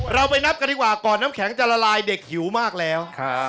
เราไปนับกันดีกว่าก่อนน้ำแข็งจะละลายเด็กหิวมากแล้ว